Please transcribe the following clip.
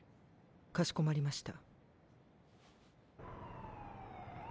かしこまりました。